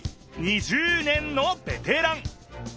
２０年のベテラン。